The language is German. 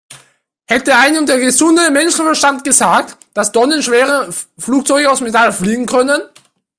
Hätte einem der gesunde Menschenverstand gesagt, dass tonnenschwere Flugzeuge aus Metall fliegen können?